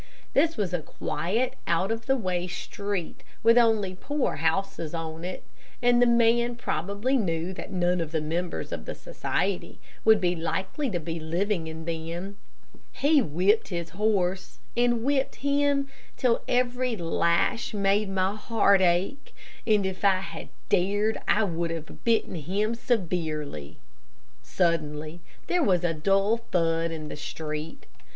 This was a quiet out of the way street, with only poor houses on it, and the man probably knew that none of the members of the society would be likely to be living in them. He whipped his horse, and whipped him, till every lash made my heart ache, and if I had dared I would have bitten him severely. Suddenly, there was a dull thud in the street.